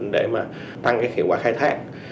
để tăng hiệu quả khai thác